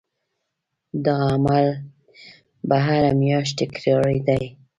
دا عمل به هره میاشت تکرارېدی.